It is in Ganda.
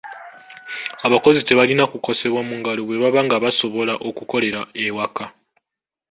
Abakozi tebalina kukosebwa muggalo bwe baba nga basobola okukolera ewaka.